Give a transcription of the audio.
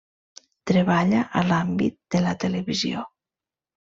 Treballa a l'àmbit de la televisió.